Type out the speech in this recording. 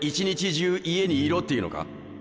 日中家にいろっていうのか？